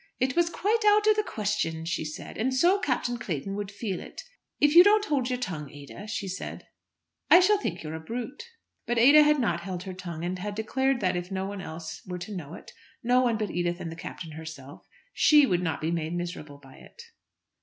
"It was quite out of the question," she said, "and so Captain Clayton would feel it. If you don't hold your tongue, Ada," she said, "I shall think you're a brute." But Ada had not held her tongue, and had declared that if no one else were to know it no one but Edith and the Captain himself she would not be made miserable by it.